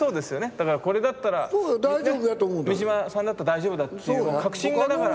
だからこれだったらね三島さんだったら大丈夫だっていう確信がだから。